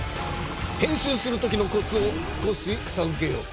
編集するときのコツを少しさずけよう。